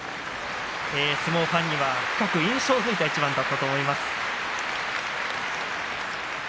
相撲ファンには印象づいた一番かと思います。